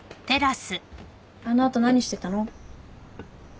あの後何してたの？